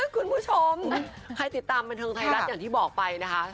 คุณผู้ชมใครติดตามบันเทิงไทยรัฐอย่างที่บอกไปนะคะ